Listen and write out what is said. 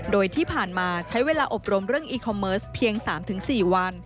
โดยที่ผ่านมาใช้เวลาอบรมเรื่องอีคอมเมิร์สเพียง๓๔วัน